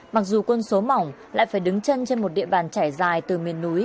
mặc dù quân số mỏng lại phải đứng chân trên một địa bàn trải dài từ miền núi